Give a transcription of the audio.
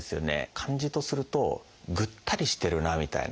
感じとするとぐったりしてるなみたいな。